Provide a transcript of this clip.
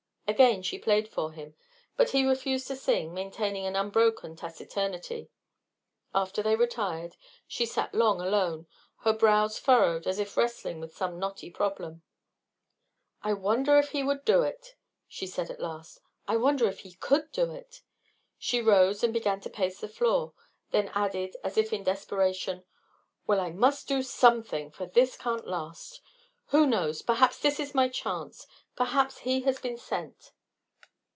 Again she played for him, but he refused to sing, maintaining an unbroken taciturnity. After they retired she sat long alone, her brows furrowed as if wrestling with some knotty problem. "I wonder if he would do it!" she said, at last. "I wonder if he could do it!" She rose, and began to pace the floor; then added, as if in desperation: "Well, I must do something, for this can't last. Who knows perhaps this is my chance; perhaps he has been sent."